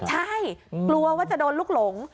ใช่กลัวว่าจะโดนลูกหลง